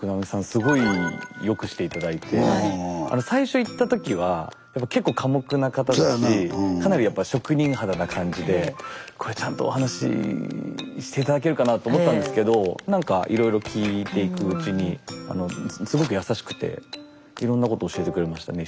すごい良くして頂いて最初行った時はやっぱ結構寡黙な方だしかなりやっぱ職人肌な感じでこれちゃんとお話しして頂けるかなと思ったんですけどなんかいろいろ聞いていくうちにすごく優しくていろんなこと教えてくれましたね